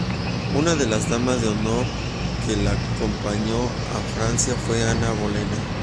Una de las damas de honor que la acompañó a Francia fue Ana Bolena.